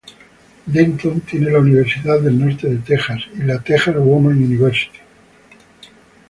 Denton tiene la Universidad del Norte de Texas y la "Texas Woman's University".